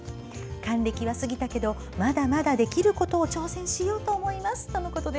還暦は過ぎたけどまだまだできることを挑戦しようと思います。